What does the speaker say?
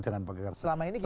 selama ini gimana sih pak